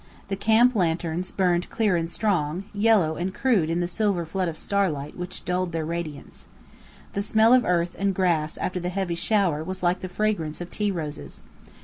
The camp lanterns burned clear and strong, yellow and crude in the silver flood of starlight which dulled their radiance. The smell of earth and grass after the heavy shower was like the fragrance of tea roses.